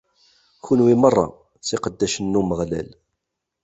Kunwi merra, s yiqeddacen n Umeɣlal.